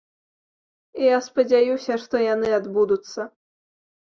І я спадзяюся, што яны адбудуцца.